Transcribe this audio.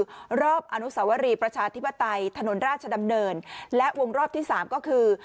คือรอบอนุสวรีประชาธิปไตยถนนราชดำเนินและวงรอบที่สามก็คือ